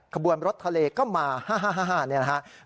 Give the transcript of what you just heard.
ขบวนรถทะเลก็มา๕๕นี่นะครับ